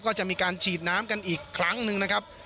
ก็จะมีการฉีดน้ำกันอีกครั้งหนึ่งนะครับ